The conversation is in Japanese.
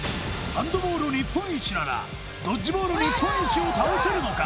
ハンドボール日本一ならドッジボール日本一を倒せるのか？